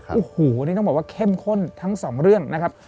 โอ้โหนี่ต้องบอกว่าเข้มข้นทั้งสองเรื่องนะครับ